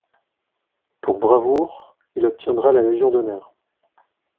Pour bravoure, il obtiendra la Légion d'honneur.